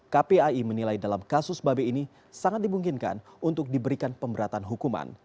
kpai menilai dalam kasus babe ini sangat dimungkinkan untuk diberikan pemberatan hukuman